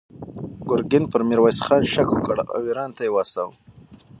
ګورګین پر میرویس خان شک وکړ او ایران ته یې واستاوه.